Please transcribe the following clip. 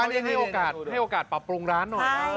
อันนี้ให้โอกาสปรับปรุงร้านหน่อย